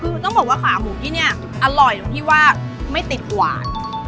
คือต้องบอกว่าขาหมูที่นี่อร่อยตรงที่ว่าไม่ติดหวาน